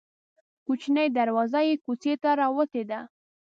کوچنۍ دروازه یې کوڅې ته راوتې ده.